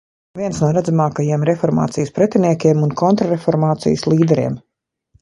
Viens no redzamākajiem reformācijas pretiniekiem un kontrreformācijas līderiem.